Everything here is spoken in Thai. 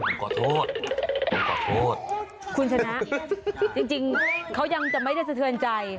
ผมขอโทษคุณชนะจริงเขายังจะไม่ได้สะเทือนใจ